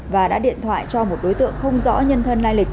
và đã điện thoại cho một đối tượng không rõ nhân thân lai lịch